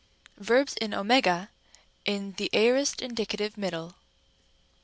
'Verbs in @, in the aorist, indicative, middle.